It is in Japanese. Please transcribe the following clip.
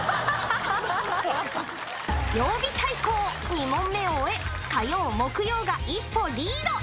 ２問目を終え火曜木曜が一歩リード！